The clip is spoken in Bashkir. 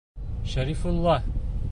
Шәрифулла.